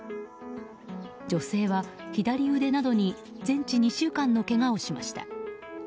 女性は、左腕などに全治２週間のけがをしました。